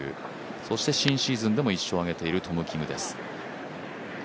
そして、新シーズンでも１勝を挙げているトム・キムです。